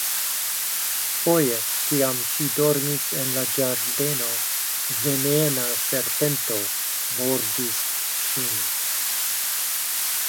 Foje, kiam ŝi dormis en la ĝardeno, venena serpento mordis ŝin.